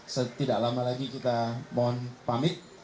setidak lama lagi kita mohon pamit